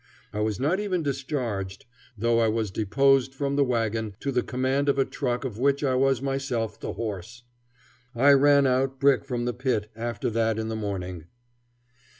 I was not even discharged, though I was deposed from the wagon to the command of a truck of which I was myself the horse. I "ran out" brick from the pit after that in the morning.